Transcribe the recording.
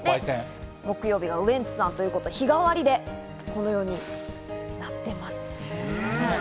木曜日はウエンツさんということで、日替わりでこのようになっています。